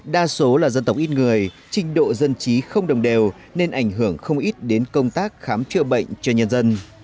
đa số là dân tộc ít người trình độ dân trí không đồng đều nên ảnh hưởng không ít đến công tác khám chữa bệnh cho nhân dân